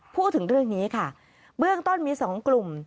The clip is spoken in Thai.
พูดถึงเรื่องนี้ค่ะเบื้องต้นมี๒กลุ่ม